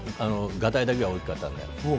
ガタイだけは大きかったので。